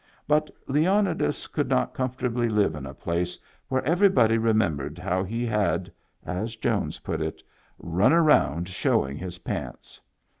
But Leonidas could not comfortably live in a place where everybody re membered how he had (as Jones put it) "run around showing his pants."